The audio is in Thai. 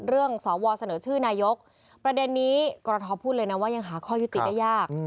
สวเสนอชื่อนายกประเด็นนี้กรทพูดเลยนะว่ายังหาข้อยุติได้ยาก